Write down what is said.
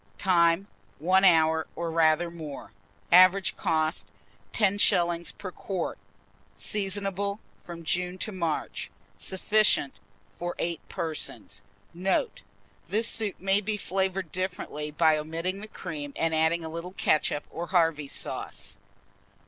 Time. 1 hour, or rather more. Average cost, 10d. per quart. Seasonable from June to March. Sufficient for 8 persons. Note. This soup may be flavoured differently by omitting the cream, and adding a little ketchup or Harvey's sauce.